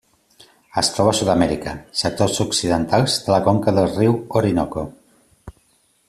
Es troba a Sud-amèrica: sectors occidentals de la conca del riu Orinoco.